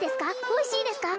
おいしいですか？